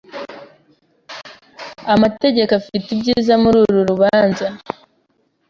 Amategeko afite ibyiza muri uru rubanza.